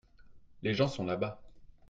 les gens sont là-bas.